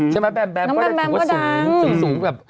น้องแบมว่าดังน้องแบมก็ถือว่าสูงแบบ